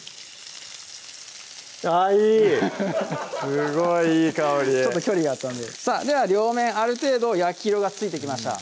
すごいいい香りちょっと距離があったんででは両面ある程度焼き色がついてきました